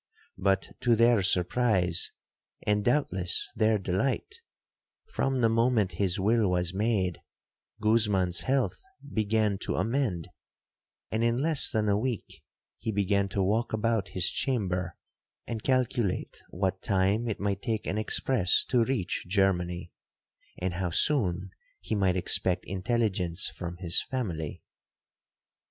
But to their surprise, and doubtless their delight, from the moment his will was made, Guzman's health began to amend,—and in less than a week he began to walk about his chamber, and calculate what time it might take an express to reach Germany, and how soon he might expect intelligence from his family.